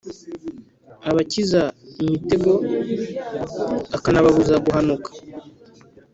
abakiza imitego, akanababuza guhanuka.